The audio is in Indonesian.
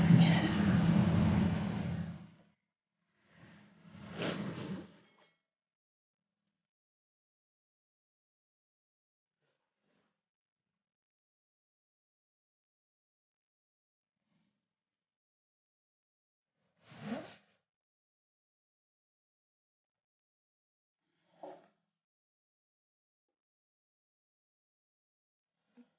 nu langsung tergolong di liburan kana tak bisa melepas siztaga itu